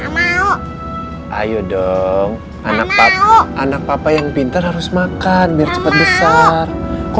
hai kamu mau mau hai ayo dong anak anak papa yang pintar harus makan biar cepet besar kok